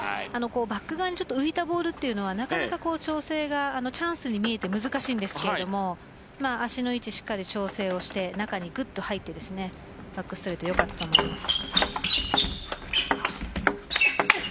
バック側に浮いたボールはなかなか調整がチャンスに見えて難しいんですけれど足の位置しっかり調整をして中にぐっと入ってバックストレート良かったと思います。